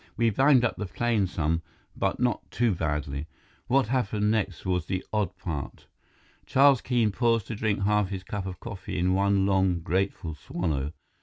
We banged up the plane some, but not too badly. What happened next was the odd part." Charles Keene paused to drink half his cup of coffee in one long, grateful swallow.